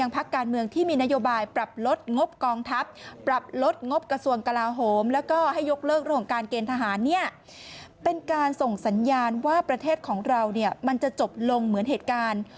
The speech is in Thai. เป็นการส่งสัญญาณว่าประเทศของเรามันจะจบลงเหมือนเหตุการณ์